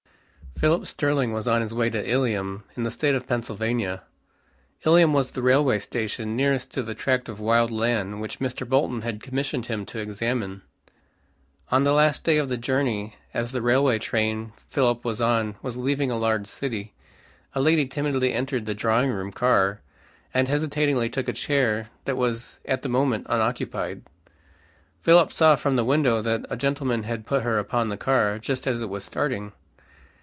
Philip Sterling was on his way to Ilium, in the state of Pennsylvania. Ilium was the railway station nearest to the tract of wild land which Mr. Bolton had commissioned him to examine. On the last day of the journey as the railway train Philip was on was leaving a large city, a lady timidly entered the drawing room car, and hesitatingly took a chair that was at the moment unoccupied. Philip saw from the window that a gentleman had put her upon the car just as it was starting.